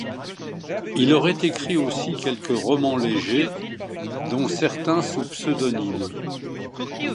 Il aurait écrit aussi quelques romans légers dont certains sous pseudonyme.